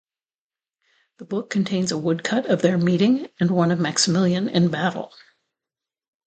The book contains a woodcut of their meeting and one of Maximilian in battle.